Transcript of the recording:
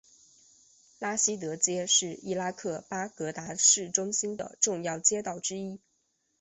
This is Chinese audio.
拉希德街是伊拉克巴格达市中心的重要街道之一。